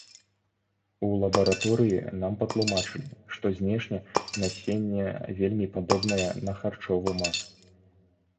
У лабараторыі нам патлумачылі, што знешне насенне вельмі падобнае на харчовы мак.